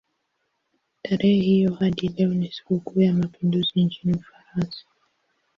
Tarehe hiyo hadi leo ni sikukuu ya mapinduzi nchini Ufaransa.